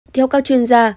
theo các chuyên gia